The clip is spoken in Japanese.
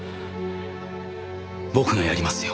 僕がやりますよ。